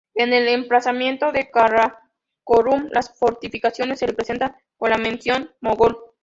En el emplazamiento de Karakorum las fortificaciones se representan, con la mención "Mogol".